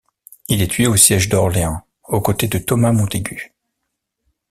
Il est tué au siège d'Orléans aux côtés de Thomas Montaigu.